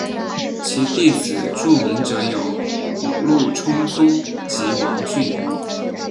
其弟子著名者有五鹿充宗及王骏。